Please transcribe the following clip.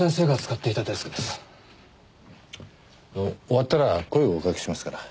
終わったら声をお掛けしますから。